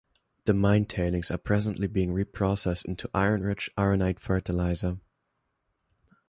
The mine tailings are presently being reprocessed into iron-rich Ironite fertilizer.